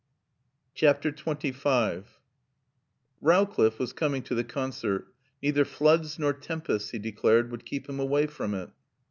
XXV Rowcliffe was coming to the concert. Neither floods nor tempests, he declared, would keep him away from it.